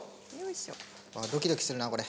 ドキドキするなこれ。